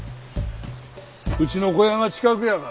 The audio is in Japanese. うちの小屋が近くやから。